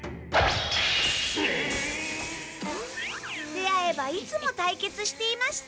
出会えばいつも対決していました。